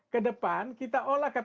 ke depan kita olah kaptif